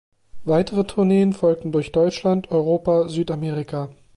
Weitere Tourneen folgten durch Deutschland, Europa, Südamerika.